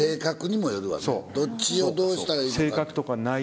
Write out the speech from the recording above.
どっちをどうしたらいいのか。